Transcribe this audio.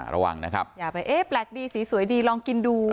อย่าไปเอ๊ะแปลกดีสีสวยดีลองกินดู